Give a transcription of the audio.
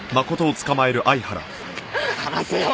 離せよ！